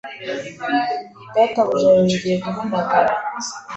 Databuja yongeye guhamagara